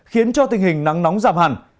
khiến cho tình hình nắng nóng giảm hẳn